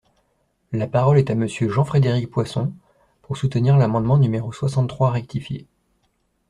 La parole est à Monsieur Jean-Frédéric Poisson, pour soutenir l’amendement numéro soixante-trois rectifié.